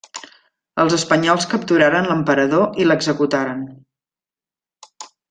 Els espanyols capturaren l'emperador i l'executaren.